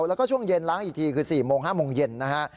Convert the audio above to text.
แล้วก็ช่วงเย็นล้างอีกทีคือ๔โมง๕โมงเย็นนะฮะ